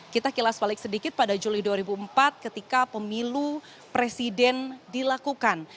kita kilas balik sedikit pada juli dua ribu empat ketika pemilu presiden dilakukan